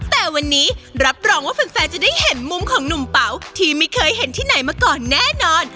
แต่วันนี้รับรองว่าแฟนจะได้เห็นมุมของหนุ่มเป๋าที่ไม่เคยเห็นที่ไหนมาก่อนแน่นอน